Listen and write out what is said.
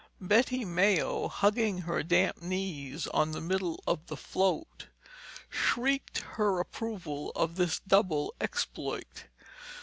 Betty Mayo, hugging her damp knees on the middle of the float, shrieked her approval of this double exploit.